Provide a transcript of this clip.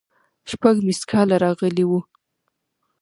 شپږ ميسکاله راغلي وو.